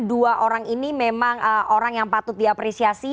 dua orang ini memang orang yang patut diapresiasi